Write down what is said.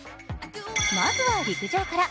まずは陸上から。